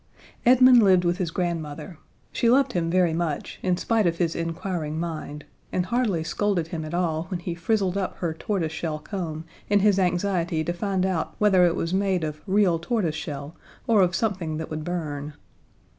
Edmund lived with his grandmother. She loved him very much, in spite of his inquiring mind, and hardly scolded him at all when he frizzled up her tortoiseshell comb in his anxiety to find out whether it was made of real tortoiseshell or of something that would burn.